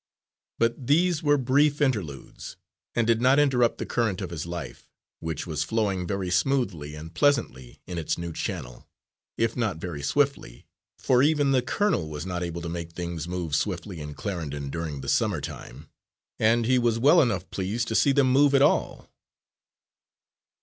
But these were brief interludes, and did not interrupt the current of his life, which was flowing very smoothly and pleasantly in its new channel, if not very swiftly, for even the colonel was not able to make things move swiftly in Clarendon during the summer time, and he was well enough pleased to see them move at all.